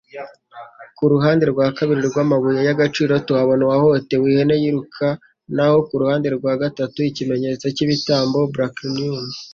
Kuruhande rwa kabiri rwamabuye y'agaciro tubona uwahohotewe ihene yiruka naho kuruhande rwa gatatu ikimenyetso cyibitambo bucranium